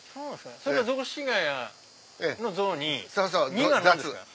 それは雑司が谷の「雑」に「ニ」が何ですか？